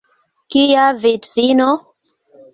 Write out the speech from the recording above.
Kia vidvino?